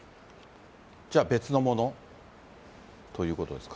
じゃあ、別のもの？ということですか。